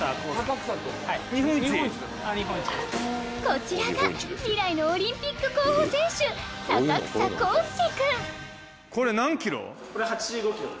こちらが未来のオリンピック候補選手これ何キロ？